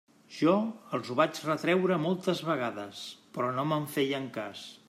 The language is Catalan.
Jo els ho vaig retreure moltes vegades, però no me'n feien cas.